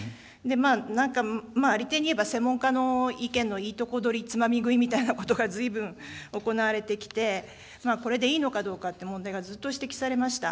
なんかありていに言えば、専門家の意見のいいとこどり、つまみ食いみたいなことがずいぶん行われてきて、これでいいのかどうかって問題がずっと指摘されました。